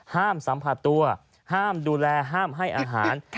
สัมผัสตัวห้ามดูแลห้ามให้อาหาร